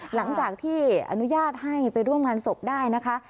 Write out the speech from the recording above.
หลังจากที่อนุญาตให้ไปร่วมงานศพได้นะคะ